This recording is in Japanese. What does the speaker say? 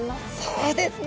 そうですね。